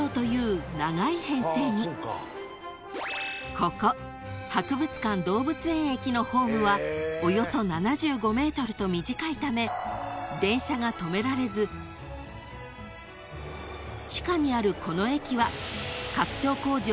［ここ博物館動物園駅のホームはおよそ７５ｍと短いため電車が止められず地下にあるこの］